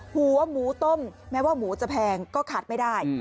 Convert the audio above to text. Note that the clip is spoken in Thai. หัวหมูต้มแม้ว่าหมูจะแพงก็ขาดไม่ได้